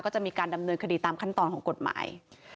ก็จะมีการดำเนินคดีตามขั้นตอนของกฎหมาย